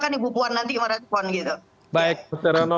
nanti silahkan ibu buar nanti merespon gitu